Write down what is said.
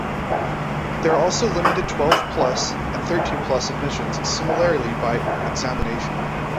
There are also limited twelve plus and thirteen plus admissions, similarly by examination.